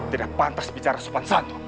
tidak pantas bicara sopan santun